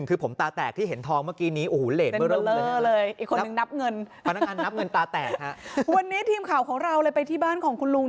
ความอดทนความขยันความประหยัดของผู้ชายคนนึง